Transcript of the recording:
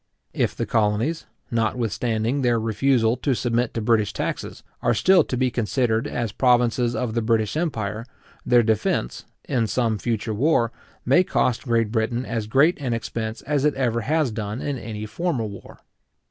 If the colonies, notwithstanding their refusal to submit to British taxes, are still to be considered as provinces of the British empire, their defence, in some future war, may cost Great Britain as great an expense as it ever has done in any former war.